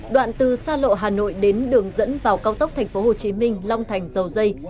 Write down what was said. đoạn từ xa lộ hà nội đến đường dẫn vào cao tốc tp hcm long thành dầu dây